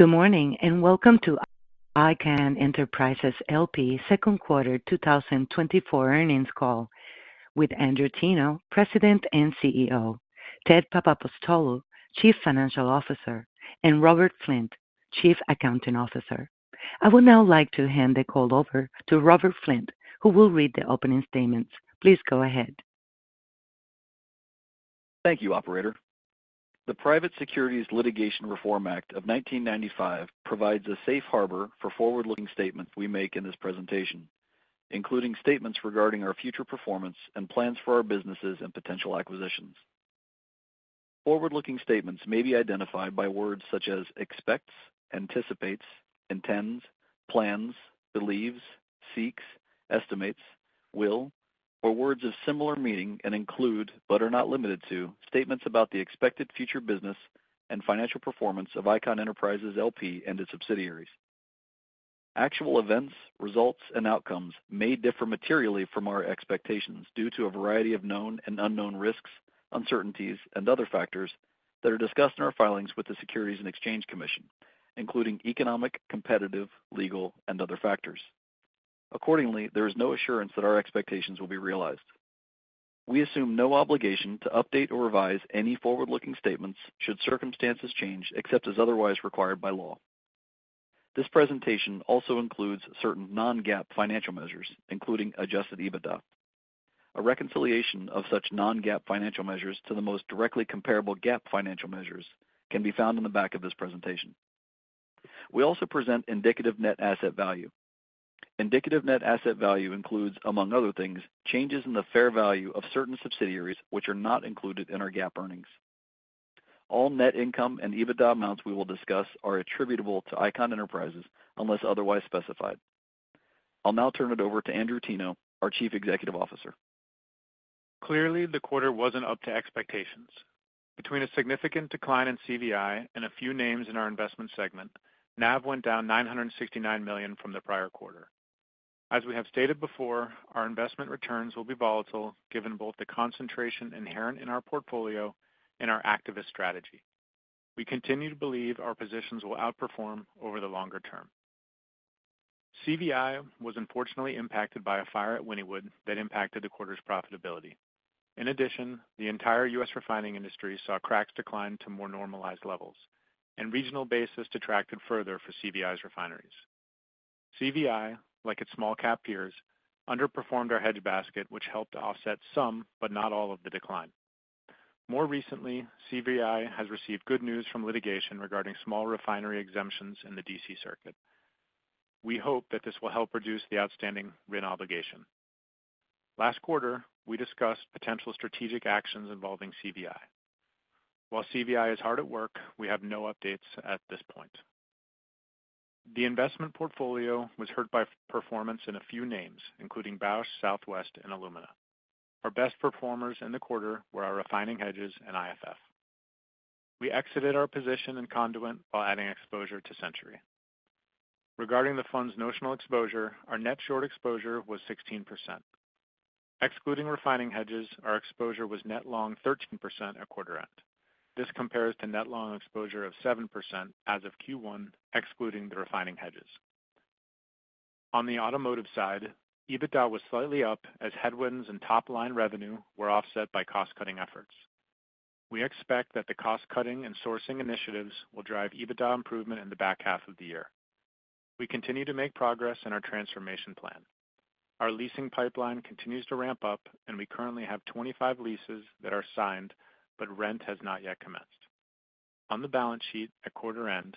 Good morning, and welcome to Icahn Enterprises LP second quarter 2024 earnings call with Andrew Teno, President and CEO, Ted Papapostolou, Chief Financial Officer, and Robert Flint, Chief Accounting Officer. I would now like to hand the call over to Robert Flint, who will read the opening statements. Please go ahead. Thank you, operator. The Private Securities Litigation Reform Act of 1995 provides a safe harbor for forward-looking statements we make in this presentation, including statements regarding our future performance and plans for our businesses and potential acquisitions. Forward-looking statements may be identified by words such as expects, anticipates, intends, plans, believes, seeks, estimates, will, or words of similar meaning, and include, but are not limited to, statements about the expected future business and financial performance of Icahn Enterprises L.P. and its subsidiaries. Actual events, results, and outcomes may differ materially from our expectations due to a variety of known and unknown risks, uncertainties, and other factors that are discussed in our filings with the Securities and Exchange Commission, including economic, competitive, legal, and other factors. Accordingly, there is no assurance that our expectations will be realized. We assume no obligation to update or revise any forward-looking statements should circumstances change, except as otherwise required by law. This presentation also includes certain non-GAAP financial measures, including adjusted EBITDA. A reconciliation of such non-GAAP financial measures to the most directly comparable GAAP financial measures can be found in the back of this presentation. We also present indicative net asset value. Indicative net asset value includes, among other things, changes in the fair value of certain subsidiaries, which are not included in our GAAP earnings. All net income and EBITDA amounts we will discuss are attributable to Icahn Enterprises, unless otherwise specified. I'll now turn it over to Andrew Teno, our Chief Executive Officer. Clearly, the quarter wasn't up to expectations. Between a significant decline in CVI and a few names in our investment segment, NAV went down $969 million from the prior quarter. As we have stated before, our investment returns will be volatile, given both the concentration inherent in our portfolio and our activist strategy. We continue to believe our positions will outperform over the longer term. CVI was unfortunately impacted by a fire at Wynnewood that impacted the quarter's profitability. In addition, the entire U.S. refining industry saw cracks decline to more normalized levels and regional basis detracted further for CVI's refineries. CVI, like its small cap peers, underperformed our hedge basket, which helped to offset some, but not all, of the decline. More recently, CVI has received good news from litigation regarding small refinery exemptions in the D.C. circuit. We hope that this will help reduce the outstanding RIN obligation. Last quarter, we discussed potential strategic actions involving CVI. While CVI is hard at work, we have no updates at this point. The investment portfolio was hurt by performance in a few names, including Bausch, Southwest, and Illumina. Our best performers in the quarter were our refining hedges and IFF. We exited our position in Conduent while adding exposure to Centuri. Regarding the fund's notional exposure, our net short exposure was 16%. Excluding refining hedges, our exposure was net long 13% at quarter end. This compares to net long exposure of 7% as of Q1, excluding the refining hedges. On the automotive side, EBITDA was slightly up as headwinds and top-line revenue were offset by cost-cutting efforts. We expect that the cost-cutting and sourcing initiatives will drive EBITDA improvement in the back half of the year. We continue to make progress in our transformation plan. Our leasing pipeline continues to ramp up, and we currently have 25 leases that are signed, but rent has not yet commenced. On the balance sheet, at quarter end,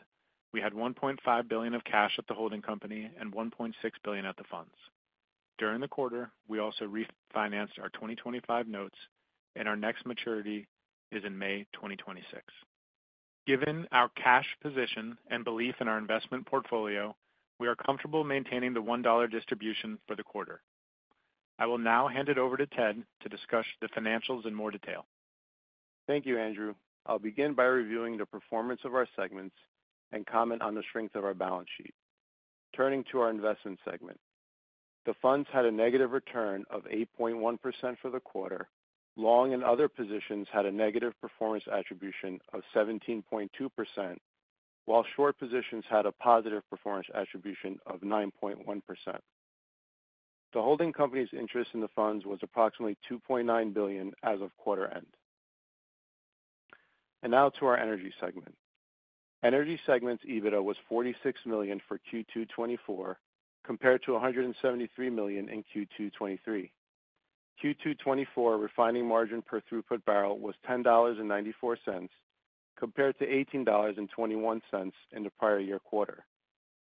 we had $1.5 billion of cash at the holding company and $1.6 billion at the funds. During the quarter, we also refinanced our 2025 notes, and our next maturity is in May 2026. Given our cash position and belief in our investment portfolio, we are comfortable maintaining the $1 distribution for the quarter. I will now hand it over to Ted to discuss the financials in more detail. Thank you, Andrew. I'll begin by reviewing the performance of our segments and comment on the strength of our balance sheet. Turning to our investment segment, the funds had a negative return of 8.1% for the quarter. Long and other positions had a negative performance attribution of 17.2%, while short positions had a positive performance attribution of 9.1%. The holding company's interest in the funds was approximately $2.9 billion as of quarter end. Now to our energy segment. Energy segment's EBITDA was $46 million for Q2 2024, compared to $173 million in Q2 2023. Q2 2024 refining margin per throughput barrel was $10.94, compared to $18.21 in the prior year quarter.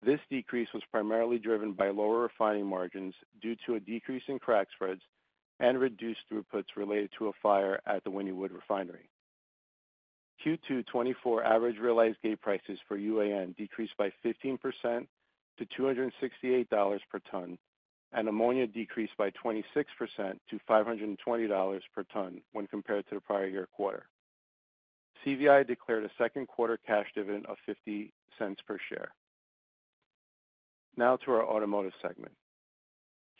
This decrease was primarily driven by lower refining margins due to a decrease in crack spreads and reduced throughputs related to a fire at the Wynnewood Refinery. Q2 2024 average realized gate prices for UAN decreased by 15% to $268 per ton, and ammonia decreased by 26% to $520 per ton when compared to the prior year quarter. CVI declared a second quarter cash dividend of 50 cents per share. ...Now to our Automotive segment.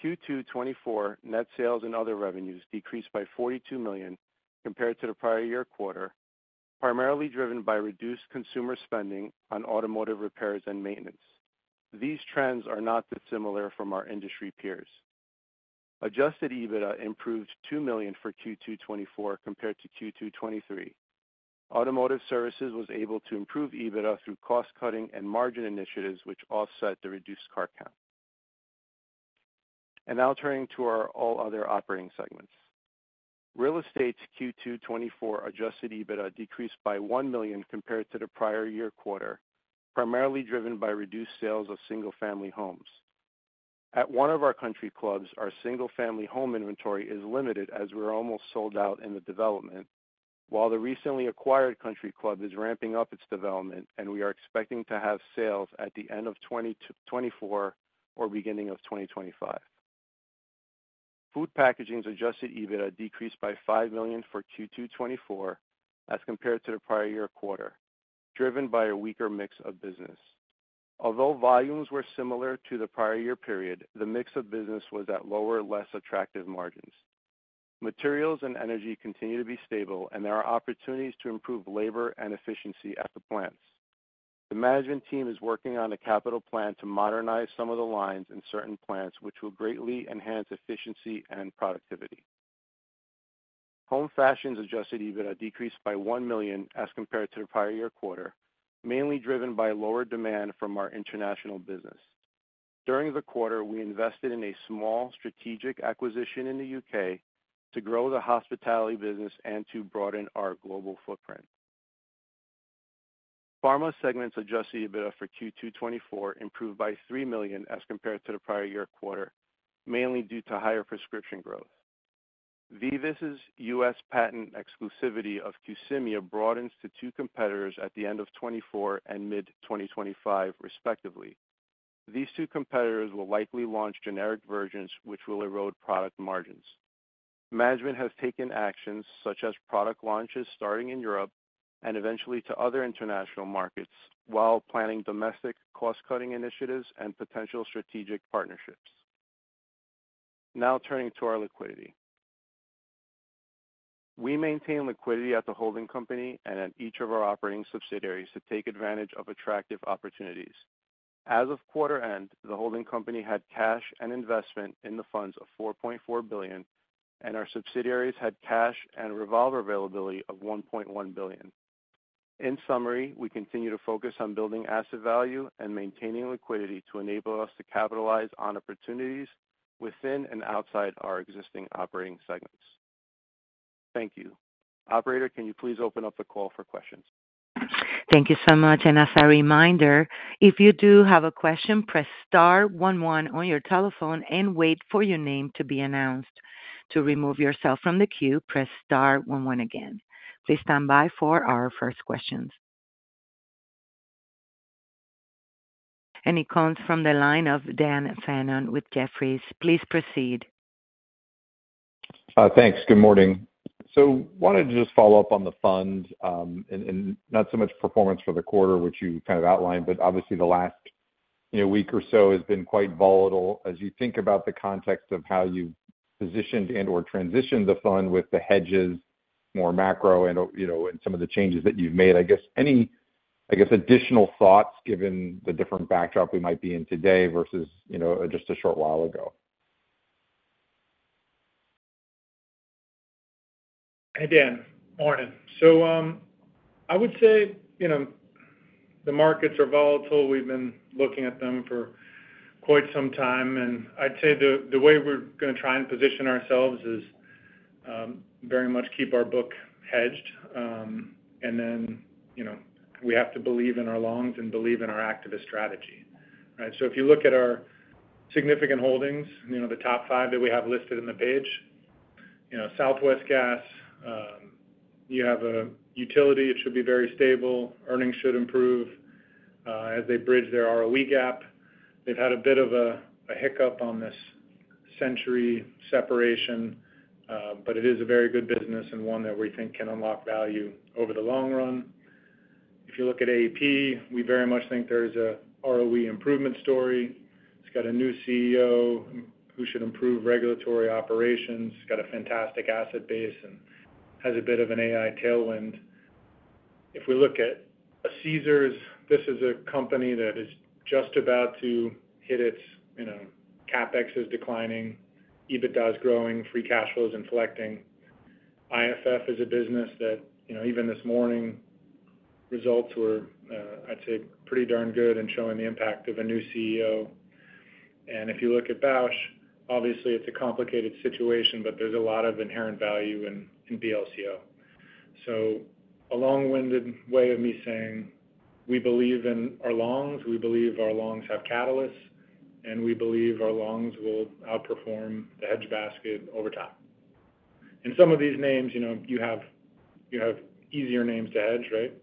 Q2 2024 net sales and other revenues decreased by $42 million compared to the prior year quarter, primarily driven by reduced consumer spending on automotive repairs and maintenance. These trends are not dissimilar from our industry peers. Adjusted EBITDA improved $2 million for Q2 2024 compared to Q2 2023. Automotive Services was able to improve EBITDA through cost cutting and margin initiatives, which offset the reduced car count. Now turning to our all other operating segments. Real Estate's Q2 2024 adjusted EBITDA decreased by $1 million compared to the prior year quarter, primarily driven by reduced sales of single-family homes. At one of our country clubs, our single-family home inventory is limited as we're almost sold out in the development, while the recently acquired country club is ramping up its development, and we are expecting to have sales at the end of 2024 or beginning of 2025. Food Packaging's Adjusted EBITDA decreased by $5 million for Q2 2024 as compared to the prior year quarter, driven by a weaker mix of business. Although volumes were similar to the prior year period, the mix of business was at lower, less attractive margins. Materials and energy continue to be stable, and there are opportunities to improve labor and efficiency at the plants. The management team is working on a capital plan to modernize some of the lines in certain plants, which will greatly enhance efficiency and productivity. Home Fashion's adjusted EBITDA decreased by $1 million as compared to the prior year quarter, mainly driven by lower demand from our international business. During the quarter, we invested in a small strategic acquisition in the U.K. to grow the hospitality business and to broaden our global footprint. Pharma segment's adjusted EBITDA for Q2 2024 improved by $3 million as compared to the prior year quarter, mainly due to higher prescription growth. VIVUS's U.S. patent exclusivity of Qsymia broadens to two competitors at the end of 2024 and mid-2025, respectively. These two competitors will likely launch generic versions, which will erode product margins. Management has taken actions such as product launches starting in Europe and eventually to other international markets, while planning domestic cost-cutting initiatives and potential strategic partnerships. Now turning to our liquidity. We maintain liquidity at the holding company and at each of our operating subsidiaries to take advantage of attractive opportunities. As of quarter end, the holding company had cash and investment in the funds of $4.4 billion, and our subsidiaries had cash and revolver availability of $1.1 billion. In summary, we continue to focus on building asset value and maintaining liquidity to enable us to capitalize on opportunities within and outside our existing operating segments. Thank you. Operator, can you please open up the call for questions? Thank you so much, and as a reminder, if you do have a question, press star one one on your telephone and wait for your name to be announced. To remove yourself from the queue, press star one one again. Please stand by for our first questions. It comes from the line of Dan Fannon with Jefferies. Please proceed. Thanks. Good morning. So wanted to just follow up on the fund, and not so much performance for the quarter, which you kind of outlined, but obviously the last, you know, week or so has been quite volatile. As you think about the context of how you've positioned and/or transitioned the fund with the hedges, more macro and, you know, and some of the changes that you've made, I guess any additional thoughts given the different backdrop we might be in today versus, you know, just a short while ago? Hey, Dan. Morning. So, I would say, you know, the markets are volatile. We've been looking at them for quite some time, and I'd say the way we're gonna try and position ourselves is very much keep our book hedged. And then, you know, we have to believe in our longs and believe in our activist strategy, right? So if you look at our significant holdings, you know, the top five that we have listed in the page, you know, Southwest Gas, you have a utility, it should be very stable, earnings should improve, as they bridge their ROE gap. They've had a bit of a hiccup on this Centuri separation, but it is a very good business and one that we think can unlock value over the long run. If you look at AEP, we very much think there's a ROE improvement story. It's got a new CEO who should improve regulatory operations, it's got a fantastic asset base and has a bit of an AI tailwind. If we look at Caesars, this is a company that is just about to hit its, you know, CapEx is declining, EBITDA is growing, free cash flow is inflecting. IFF is a business that, you know, even this morning, results were, I'd say, pretty darn good in showing the impact of a new CEO. And if you look at Bausch, obviously, it's a complicated situation, but there's a lot of inherent value in, in BLCO. So a long-winded way of me saying: We believe in our longs, we believe our longs have catalysts, and we believe our longs will outperform the hedge basket over time. Some of these names, you know, you have, you have easier names to hedge, right?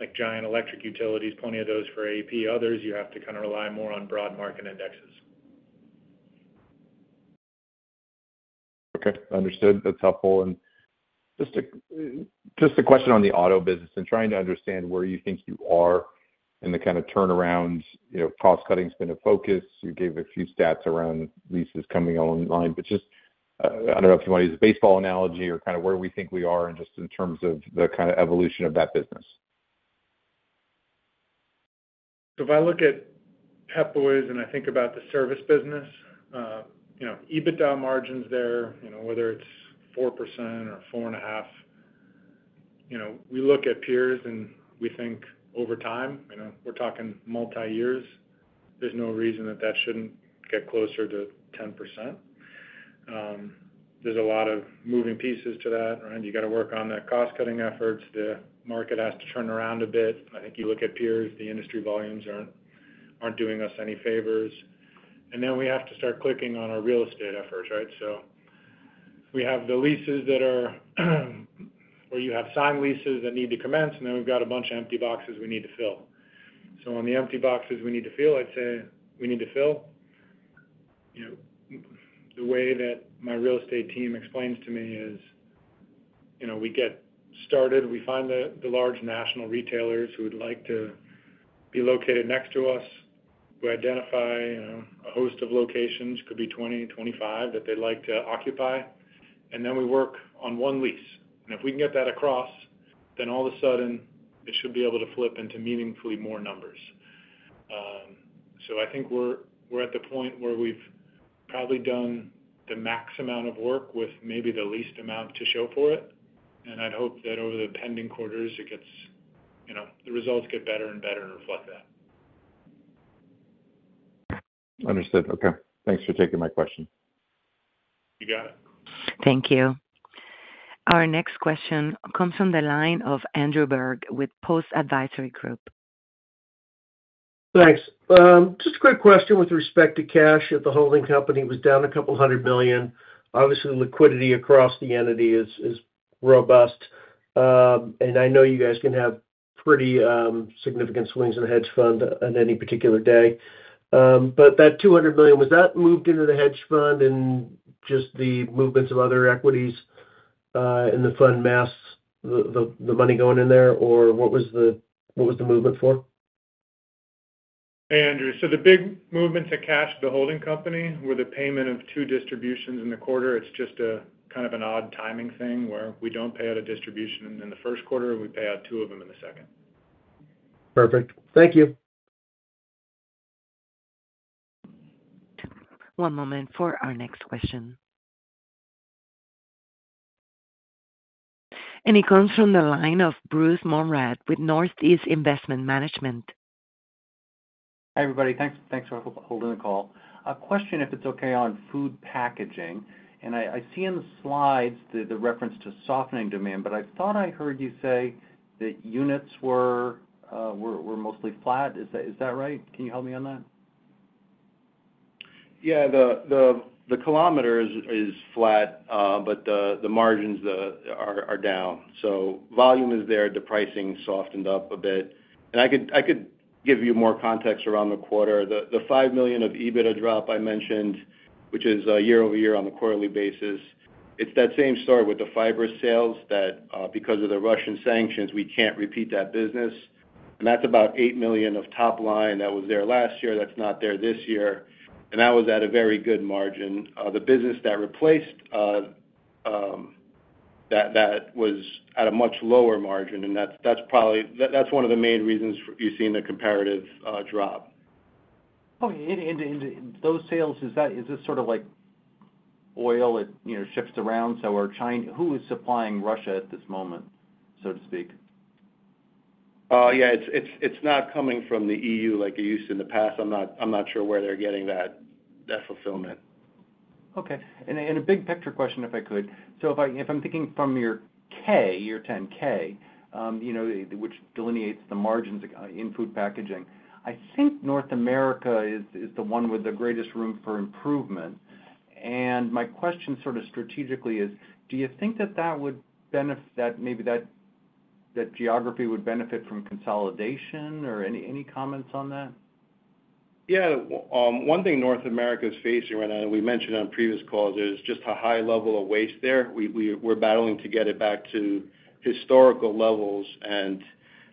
Like giant electric utilities, plenty of those for AP. Others, you have to kind of rely more on broad market indexes.... Okay, understood. That's helpful. And just a question on the auto business and trying to understand where you think you are in the kind of turnaround. You know, cost-cutting's been a focus. You gave a few stats around leases coming online, but just, I don't know if you wanna use a baseball analogy or kind of where we think we are in just in terms of the kind of evolution of that business. So if I look at Pep Boys and I think about the service business, you know, EBITDA margins there, you know, whether it's 4% or 4.5%, you know, we look at peers, and we think over time, you know, we're talking multi years, there's no reason that, that shouldn't get closer to 10%. There's a lot of moving pieces to that, right? You got to work on the cost-cutting efforts. The market has to turn around a bit. I think you look at peers, the industry volumes aren't, aren't doing us any favors. And then we have to start clicking on our real estate efforts, right? So we have the leases that are, where you have signed leases that need to commence, and then we've got a bunch of empty boxes we need to fill. So on the empty boxes, we need to fill, I'd say we need to fill, you know, the way that my real estate team explains to me is, you know, we get started, we find the, the large national retailers who would like to be located next to us. We identify, you know, a host of locations, could be 20, 25, that they'd like to occupy, and then we work on one lease. And if we can get that across, then all of a sudden, it should be able to flip into meaningfully more numbers. So I think we're, we're at the point where we've probably done the max amount of work with maybe the least amount to show for it, and I'd hope that over the pending quarters, it gets, you know, the results get better and better and reflect that. Understood. Okay. Thanks for taking my question. You got it. Thank you. Our next question comes from the line of Andrew Berg with Post Advisory Group. Thanks. Just a quick question with respect to cash at the holding company, was down a couple hundred million. Obviously, the liquidity across the entity is robust, and I know you guys can have pretty significant swings in the hedge fund on any particular day. But that $200 million, was that moved into the hedge fund and just the movements of other equities in the fund masks the money going in there? Or what was the movement for? Hey, Andrew. So the big movement to cash the holding company were the payment of two distributions in the quarter. It's just a kind of an odd timing thing, where we don't pay out a distribution in the first quarter, and we pay out two of them in the second. Perfect. Thank you. One moment for our next question. It comes from the line of Bruce Monrad with Northeast Investors Management. Hi, everybody. Thanks. Thanks for holding the call. A question, if it's okay, on food packaging, and I see in the slides the reference to softening demand, but I thought I heard you say that units were mostly flat. Is that right? Can you help me on that? Yeah, the kilometers is flat, but the margins are down. So volume is there, the pricing softened up a bit. And I could give you more context around the quarter. The $5 million of EBITDA drop I mentioned, which is year-over-year on a quarterly basis, it's that same story with the fiber sales that because of the Russian sanctions, we can't repeat that business. And that's about $8 million of top line that was there last year, that's not there this year, and that was at a very good margin. The business that replaced that was at a much lower margin, and that's probably. That's one of the main reasons you're seeing the comparative drop. Okay. And those sales, is that, is this sort of like oil? It, you know, shifts around? So are China—who is supplying Russia at this moment, so to speak? Yeah, it's not coming from the E.U. like it used to in the past. I'm not sure where they're getting that fulfillment. Okay. A big picture question, if I could. So if I'm thinking from your 10-K, you know, which delineates the margins in food packaging, I think North America is the one with the greatest room for improvement. And my question sort of strategically is: Do you think that would benefit - that maybe that geography would benefit from consolidation or any comments on that? Yeah. One thing North America is facing, right now, and we mentioned on previous calls, is just a high level of waste there. We're battling to get it back to historical levels, and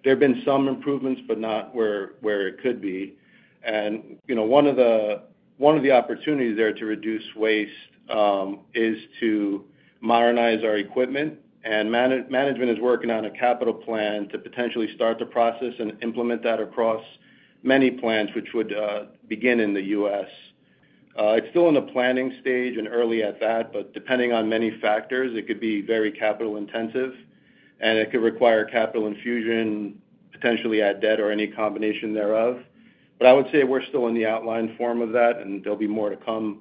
there have been some improvements, but not where it could be. And, you know, one of the opportunities there to reduce waste is to modernize our equipment, and management is working on a capital plan to potentially start the process and implement that across many plants, which would begin in the U.S. It's still in the planning stage and early at that, but depending on many factors, it could be very capital intensive, and it could require capital infusion, potentially add debt or any combination thereof. But I would say we're still in the outline form of that, and there'll be more to come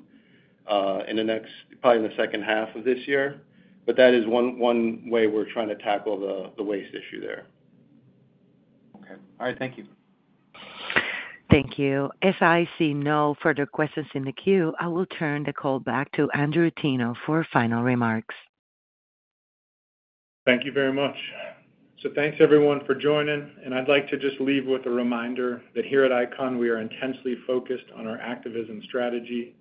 in the next, probably in the second half of this year. But that is one way we're trying to tackle the waste issue there. Okay. All right. Thank you. Thank you. As I see no further questions in the queue, I will turn the call back to Andrew Teno for final remarks. Thank you very much. So thanks, everyone, for joining, and I'd like to just leave with a reminder that here at Icahn, we are intensely focused on our activism strategy.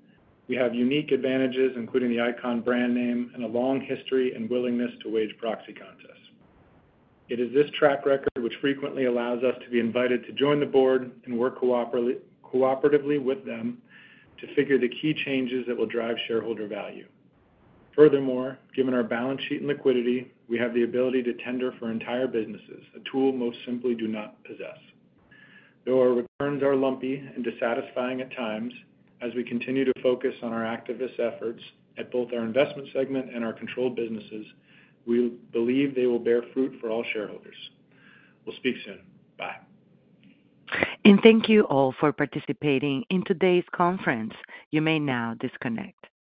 We have unique advantages, including the Icahn brand name and a long history and willingness to wage proxy contests. It is this track record which frequently allows us to be invited to join the board and work cooperatively with them to figure the key changes that will drive shareholder value. Furthermore, given our balance sheet and liquidity, we have the ability to tender for entire businesses, a tool most simply do not possess. Though our returns are lumpy and dissatisfying at times, as we continue to focus on our activist efforts at both our investment segment and our controlled businesses, we believe they will bear fruit for all shareholders. We'll speak soon. Bye. Thank you all for participating in today's conference. You may now disconnect.